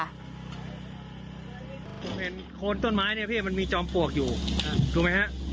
ผมเห็นโคนต้นไม้เนี่ยพี่มันมีจอมปลวกอยู่ถูกไหมฮะ